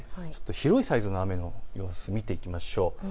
広いサイズの雨の様子見ていきましょう。